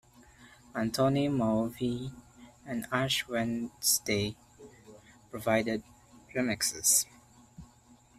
Antoni Maiovvi and Ash Wednesday provided remixes.